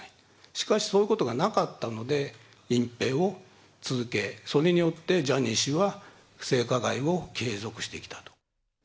しかし、そういうことがなかったので、隠蔽を続け、それによって、ジャニー氏は性加害を継続してきたと。